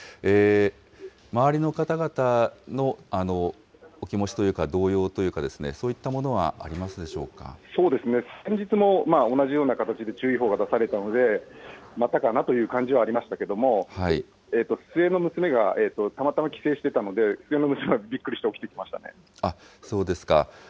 周りの方々のお気持というか、動揺というか、そういったものはそうですね、昨日も同じような形で注意報が出されたので、またかなという感じはありましたけど、末の娘がたまたま帰省してたので、末の娘はびっくりして起きそうですか。